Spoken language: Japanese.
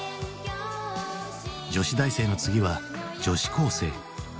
女子大生の次は女子高生。